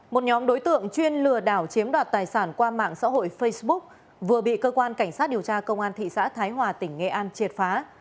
một nhóm đối tượng chuyên lừa đảo chiếm đoạt tài sản qua mạng xã hội facebook vừa bị cơ quan cảnh sát điều tra công an thị xã thái hòa tỉnh nghệ an triệt phá